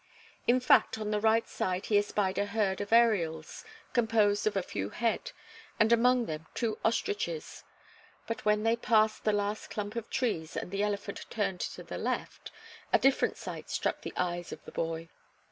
In fact, on the right side he espied a herd of ariels, composed of a few head, and among them two ostriches, but when they passed the last clump of trees and the elephant turned to the left, a different sight struck the eyes of the boy.